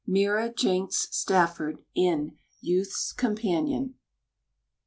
Mira Jenks Stafford, in Youth's Companion.